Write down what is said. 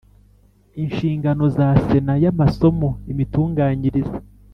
Inshingano za sena y amasomo imitunganyirize